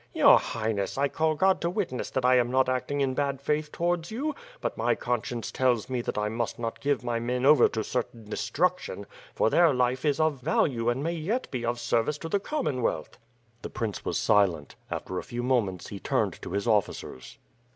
"Your Highness, I call God to witness that I am not act ing in bad faith towards you, but my conscience tells me that I must not give my men over to certain destruction; for their life is of value and muy yet be of service to the Com monwealth." The prince was silent. After a few moments, he turned to his oflBcers.